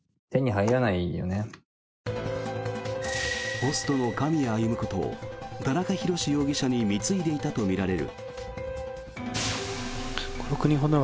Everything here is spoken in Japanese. ホストの狼谷歩こと田中裕志容疑者に貢いでいたとみられる。